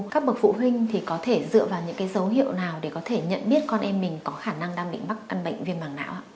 các bậc phụ huynh thì có thể dựa vào những dấu hiệu nào để có thể nhận biết con em mình có khả năng đang bị mắc căn bệnh viêm mảng não ạ